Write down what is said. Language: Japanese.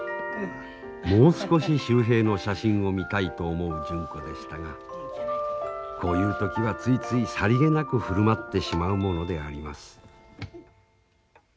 もう少し秀平の写真を見たいと思う純子でしたがこういう時はついついさりげなく振る舞ってしまうものであります。